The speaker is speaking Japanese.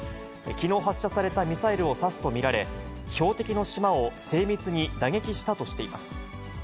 きのう発射されたミサイルを指すと見られ、標的の島を精密に打撃したとしています。